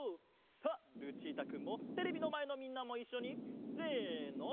さあルチータくんもテレビのまえのみんなもいっしょにせの！